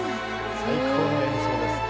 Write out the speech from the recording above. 最高の演奏ですね。